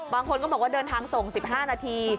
บางคนก็บอกว่าเดินทางส่ง๑๕นาที